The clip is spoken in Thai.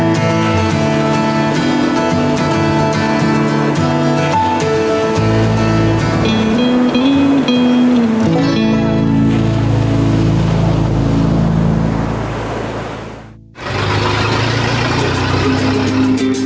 เพลง